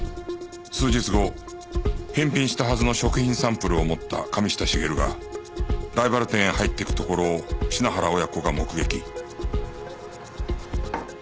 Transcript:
数日後返品したはずの食品サンプルを持った神下茂がライバル店へ入っていくところを品原親子が目撃